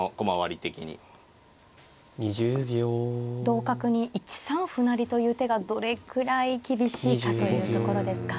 同角に１三歩成という手がどれくらい厳しいかというところですか。